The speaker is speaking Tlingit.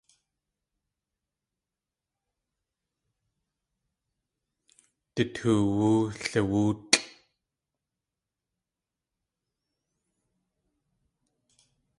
Du toowú liwóotlʼ.